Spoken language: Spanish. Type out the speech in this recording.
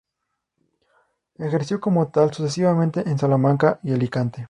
Ejerció como tal sucesivamente en Salamanca y Alicante.